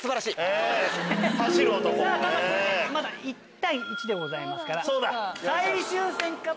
まだ１対１でございますから。